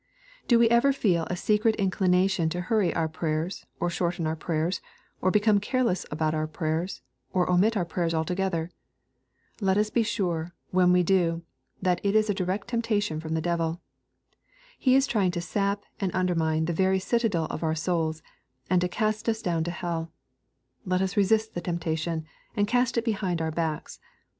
'' Do we ever feel a secret inclination to hurry our pray ers, or shorten our prayers, or become careless about our prayers, or omit our prayers altogether ? Let us be sure, when we do, that it is a direct temptation from the devil. He is trying to sap and undermine the very citadel of our souls, and tcTcast us down to hell. Let as resist the temptation, and cast it behind our backs.